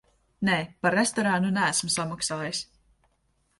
Nē, par restorānu neesmu samaksājis.